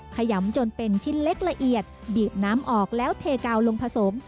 ขยำจนเป็นชิ้นเล็กละเอียดบีบน้ำออกแล้วเทกาวลงผสม